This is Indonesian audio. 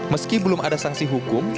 meski belum ada sanksi hukum